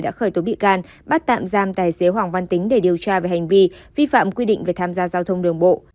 đã khởi tố bị can bắt tạm giam tài xế hoàng văn tính để điều tra về hành vi vi phạm quy định về tham gia giao thông đường bộ